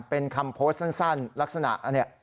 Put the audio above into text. เป็นคำโพสต์สั้นลักษณะอันนี้